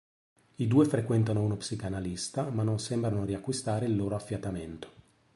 I due frequentano uno psicanalista, ma non sembrano riacquistare il loro affiatamento.